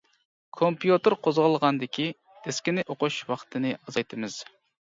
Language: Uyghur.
كومپيۇتېر قوزغالغاندىكى دىسكىنى ئوقۇش ۋاقتىنى ئازايتىمىز.